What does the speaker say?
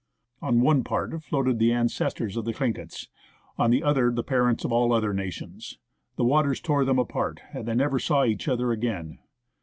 " On one part floated the ancestors of the Thiinkets, on the other the parents of all other nations. The waters tore them apart, and they never saw each other again.